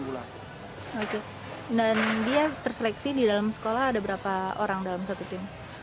oke dan dia terseleksi di dalam sekolah ada berapa orang dalam satu tim